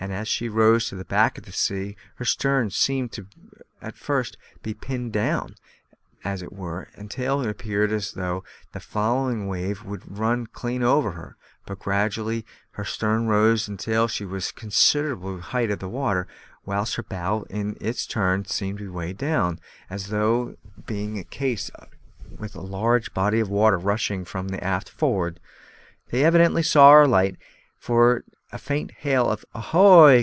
As she rose on the back of a sea, her stern seemed at first to be pinned down, as it were, until it appeared as though the following wave would run clean over her; but gradually her stern rose until it was a considerable height above the water, whilst her bow in its turn seemed weighed down, as would be the case with a large body of water rushing from aft forward. They evidently saw our light, for a faint hail of " ahoy!"